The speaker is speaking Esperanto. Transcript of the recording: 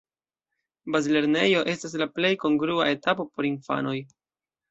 Bazlernejo estas la plej kongrua etapo por infanoj.